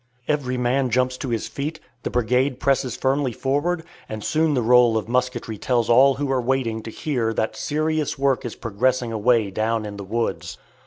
Every man jumps to his feet, the brigade presses firmly forward, and soon the roll of musketry tells all who are waiting to hear that serious work is progressing away down in the woods.